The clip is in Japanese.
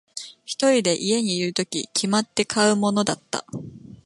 一人で家にいるとき、決まって買うものだった。